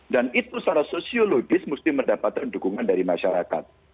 dan itu secara sosiologis mesti mendapatkan dukungan dari masyarakat